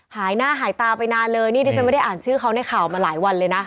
หายหน้าหายตาไปนานเลยนี่ที่ฉันไม่ได้อ่านชื่อเขาในข่าวมาหลายวันเลยนะ